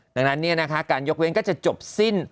ดังนั้นการยกเว้นก็จะจบสิ้น